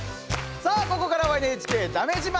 さあここからは「ＮＨＫだめ自慢」。